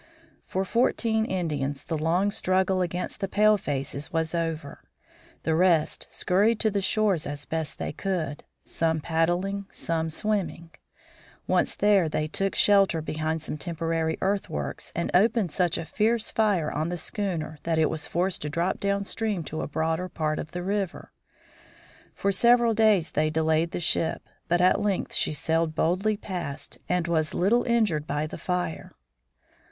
For fourteen Indians the long struggle against the palefaces was over. The rest scurried to the shore as best they could, some paddling, some swimming. Once there, they took shelter behind some temporary earthworks, and opened such a fierce fire on the schooner that it was forced to drop down stream to a broader part of the river. For several days they delayed the ship, but at length she sailed boldly past, and was but little injured by the fire.